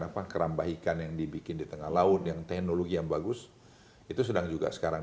apa kerambah ikan yang dibikin di tengah laut yang teknologi yang bagus itu sedang juga sekarang